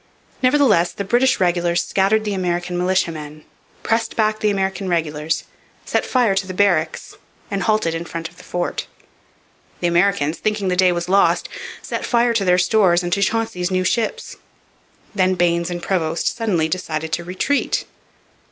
Nevertheless, the British regulars scattered the American militiamen, pressed back the American regulars, set fire to the barracks, and halted in front of the fort. The Americans, thinking the day was lost, set fire to their stores and to Chauncey's new ships. Then Baynes and Prevost suddenly decided to retreat.